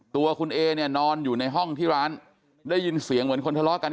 ตัวคุณเอเนี่ยนอนอยู่ในห้องที่ร้านได้ยินเสียงเหมือนคนทะเลาะกัน